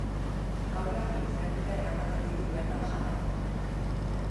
Haurrak infernura eramaten ditu bertan jateko.